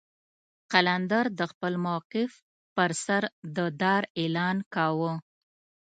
قلندر د خپل موقف پر سر د دار اعلان کاوه.